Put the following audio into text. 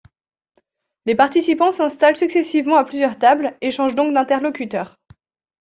Les participants s'installent successivement à plusieurs tables et changent donc d'interlocuteurs.